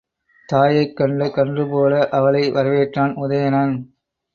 தாயைக் கண்ட கன்றுபோல அவளை வரவேற்றான் உதயணன்.